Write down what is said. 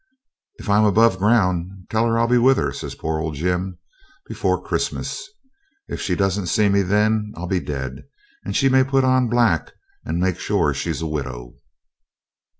'If I'm above ground, tell her I'll be with her,' says poor old Jim, 'before Christmas. If she don't see me then I'll be dead, and she may put on black and make sure she's a widow.'